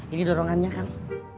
ini dorongannya kang